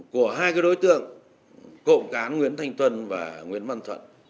của hai đối tượng cộng cán nguyễn thanh tuân và nguyễn văn thuận